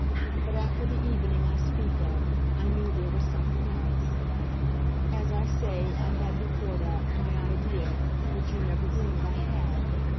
But after the evening I speak of I knew there was something else. As I say, I had, before that, my idea which you never dreamed I had.